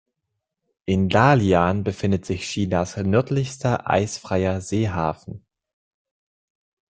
In Dalian befindet sich Chinas nördlichster eisfreier Seehafen.